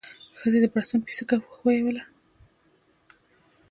ښځې د بړستن پيڅکه وښويوله.